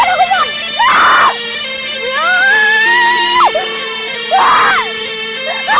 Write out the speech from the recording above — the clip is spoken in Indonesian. perhati masalah ketinggalan aku